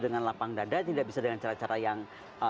dengan lapang dada tidak bisa dengan cara cara yang